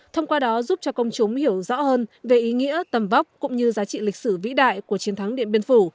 thông qua đó giúp cho công chúng hiểu rõ hơn về ý nghĩa tầm vóc cũng như giá trị lịch sử vĩ đại của chiến thắng điện biên phủ